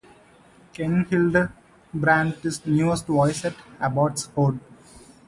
Ken Hildebrandt is the newest voice at Abbotsford.